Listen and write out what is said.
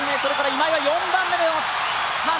今井は４番目でのターン。